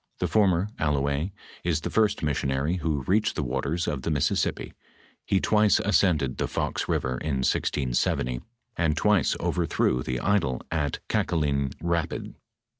Tlie former, Allouez, is the first missionary who reached the waters of the Mississippi ; he twice ascended the Fox river in 1670, and twice overthrew the idol at Kaka lin rapid.